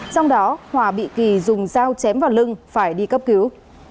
trong đó hòa bị kỳ dùng dao chém vào lưng phải đi cấp cứu